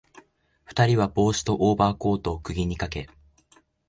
二人は帽子とオーバーコートを釘にかけ、